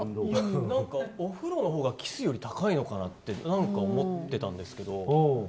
お風呂のほうがキスより高いのかなって思ってたんですけど。